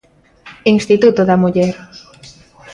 Instituto da Muller.